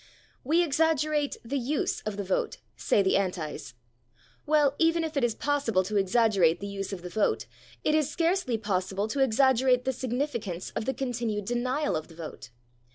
We exaggerate the use of the vote, say the Antis. Well, even if it is possible to exaggerate the use of the vote, it is scarcely possible to exaggerate the significance of the continued denial of the vote.